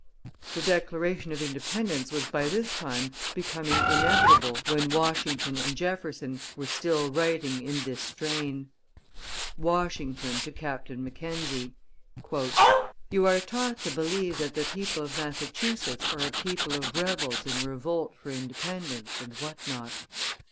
The declaration of independence was by this time becoming inevitable when Washington and Jefferson were still writing in this strain: Washington to Capt. Mackenzie. "You are taught to believe that the people of Massachusetts are a people of rebels in revolt for independence, and what not.